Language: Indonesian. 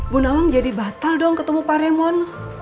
bunda wang jadi batal dong ketemu pak remon